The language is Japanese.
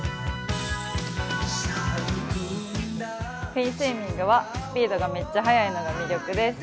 フィンスイミングはスピードがめっちゃ速いのが魅力です。